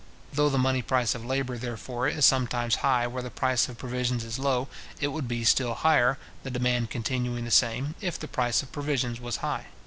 Though the money price of labour, therefore, is sometimes high where the price of provisions is low, it would be still higher, the demand continuing the same, if the price of provisions was high.